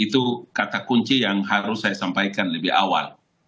itu kata kunci yang harus saya sampaikan lebih awal